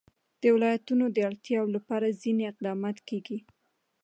د ولایتونو د اړتیاوو لپاره ځینې اقدامات کېږي.